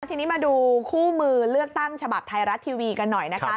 ทีนี้มาดูคู่มือเลือกตั้งฉบับไทยรัฐทีวีกันหน่อยนะคะ